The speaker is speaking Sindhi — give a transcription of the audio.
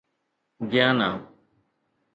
گيانا